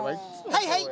はいはい！